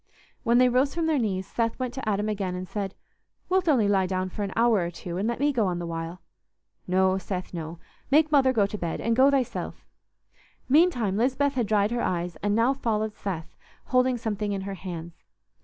When they rose from their knees, Seth went to Adam again and said, "Wilt only lie down for an hour or two, and let me go on the while?" "No, Seth, no. Make Mother go to bed, and go thyself." Meantime Lisbeth had dried her eyes, and now followed Seth, holding something in her hands.